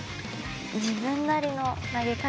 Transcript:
自分なりの投げ方。